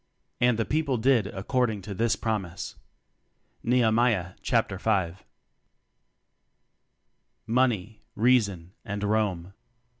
"And the people did according to this promise." (Nehemiah Chap. 5.) Money, Reason and Rome.